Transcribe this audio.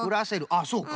あっそうか。